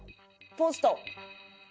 ポスト！